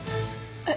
えっ？